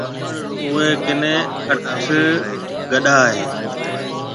اوَي ڪنَي آٺ گڏا هيَ۔